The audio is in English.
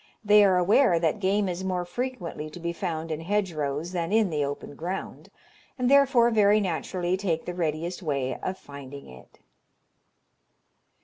They are aware that game is more frequently to be found in hedgerows than in the open ground, and therefore very naturally take the readiest way of finding it.